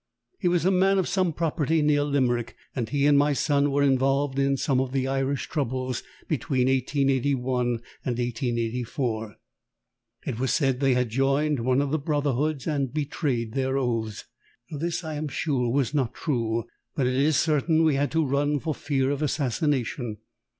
He was a man of some property near Limerick; and he and my son were involved in some of the Irish troubles between 1881 and 1884. It was said they had joined one of the brotherhoods, and betrayed their oaths. This I am sure was not true. But it is certain we had to run for fear of assassination.